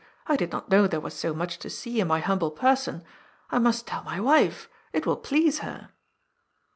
I did not know there was so much to see in my humble person. I must tell my wife. It will please her."